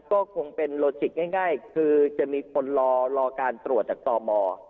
ก็คงเป็นโลจิกง่ายคือจะมีคนรอการตรวจจากตม